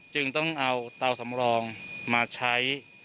จึงต้องเอาเตาสำรองมาใช้